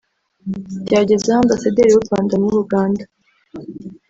Byageze aho Ambasaderi w’u Rwanda muri Uganda